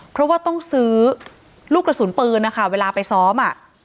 เพราะว่าต้องซื้อลูกกระสุนปืนนะคะเวลาไปซ้อมอ่ะ